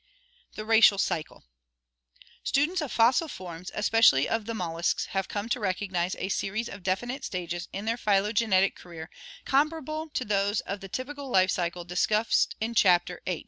THE RACIAL CYCLE Students of fossil forms, especially of the molluscs, have come to recognize a series of definite stages in their phylogenetic career comparable to those of the typical life cycle discussed in Chapter XIII.